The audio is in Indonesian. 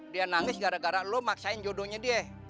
dia nangis gara gara lo maksain jodohnya dia